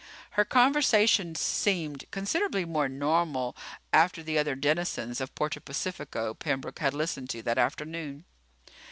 Her conversation seemed considerably more normal after the other denizens of Puerto Pacifico Pembroke had listened to that afternoon.